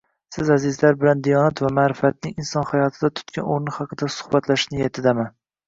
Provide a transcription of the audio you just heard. Siz azizlar bilan diyonat va maʼrifatning inson hayotida tutgan o‘rni haqida suhbatlashish niyatidaman.